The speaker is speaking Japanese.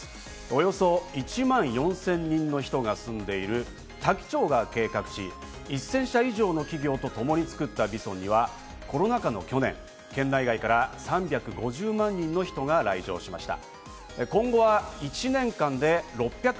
およそ１万４０００人の人が住んでいる多気町が計画し、１０００社以上の企業とともに作ったＶＩＳＯＮにはコロナ禍の去年、県内外から３５０万人の人が来場しました。